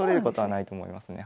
ないと思いますね。